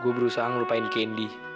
gue berusaha ngelupain candy